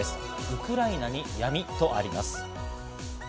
ウクライナに闇とあります。